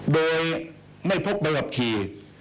โดยไม่พกบัยหับขี่